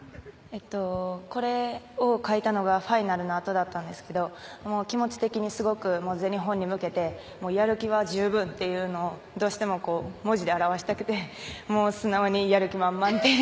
これを書いたのがファイナルのあとだったんですけど気持ち的にすごく全日本に向けてやる気は十分というのをどうしても文字で表したくて素直にやる気満々と。